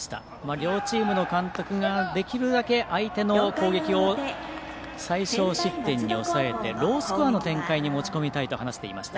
両チームの監督ができるだけ相手の攻撃を最少失点に抑えてロースコアの展開に持ち込みたいと話していました。